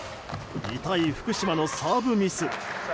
痛い福島のサーブミス。